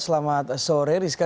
selamat sore rizka